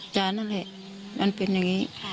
นั่นแหละมันเป็นอย่างนี้